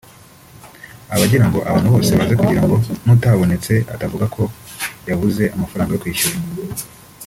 aba agira ngo abantu bose baze kugira ngo n’utabonetse atavuga ko yabuze amafaranga yo kwishyura